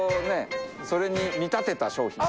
それに見立てた商品。